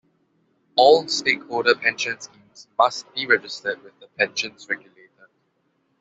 All stakeholder pension schemes must be registered with The Pensions Regulator.